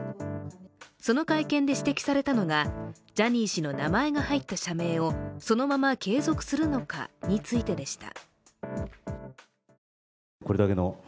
その会見で指摘されたのがジャニー氏の名前が入った社名をそのまま継続するのかについてでした。